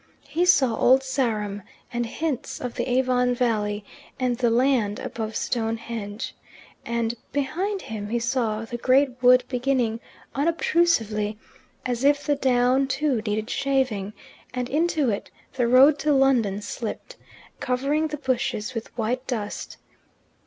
He saw Old Sarum, and hints of the Avon valley, and the land above Stone Henge. And behind him he saw the great wood beginning unobtrusively, as if the down too needed shaving; and into it the road to London slipped, covering the bushes with white dust.